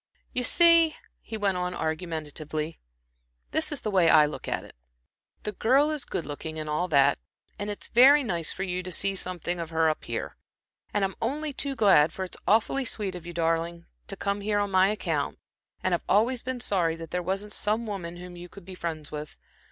"You see," he went on, argumentatively "this is the way I look at it. The girl is good looking, and all that, and it's very nice for you to see something of her up here, and I'm only too glad, for it's awfully sweet of you, darling, to come here on my account, and I've always been sorry that there wasn't some woman whom you could be friends with.